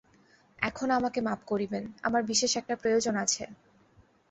এখন আমাকে মাপ করিবেন–আমার বিশেষ একটা প্রয়োজন আছে।